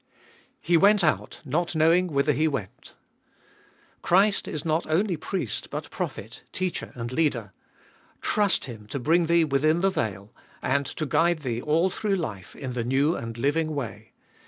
4. He went out, not knowing whither he went. Christ Is not only Priest but Prophet, Teacher, and Leader. Trust Him to bring thee within the veil, and to guide thee all through life in the new and living way.